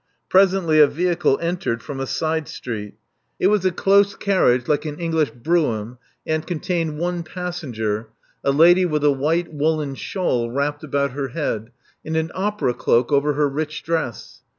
Presently a vehicle entered from a side street. It was a close carriage like an English Love Among the Artists 345 brougham, and contained one passenger, a lady with a white woollen shawl wrapped about her head, and an opera cloak over her rich dress.